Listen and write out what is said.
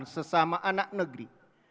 sesama anak negeri